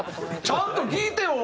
ちゃんと聴いてよ！